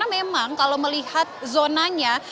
memang kalau melihat zonanya